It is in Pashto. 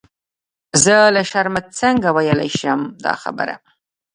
زه له شرمه څنګه ویلای شم دا خبره.